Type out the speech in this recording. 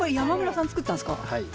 はい。